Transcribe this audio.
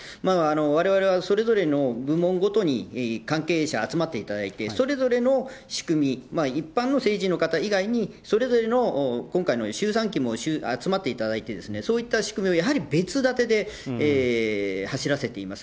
われわれはそれぞれの部門ごとに関係者集まっていただいて、それぞれの仕組み、一般の成人の方以外にそれぞれの今回の周産期も集まっていただいて、そういった仕組みをやはり別だてで走らせています。